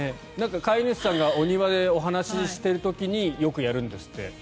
飼い主さんがお庭でお話ししている時によくやるんですって。